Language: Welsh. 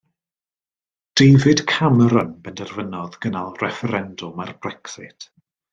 David Cameron benderfynodd gynnal refferendwm ar Brexit.